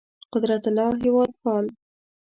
قدرت الله هېوادپال